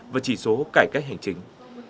và chỉ số cải cách hành chính